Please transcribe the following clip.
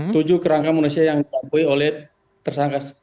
tujuh kerangka manusia yang diakui oleh tersangka